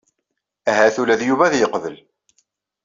Ahat ula d Yuba ad yeqbel.